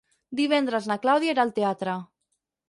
Divendres na Clàudia irà al teatre.